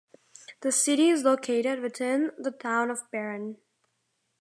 The city is located within the Town of Barron.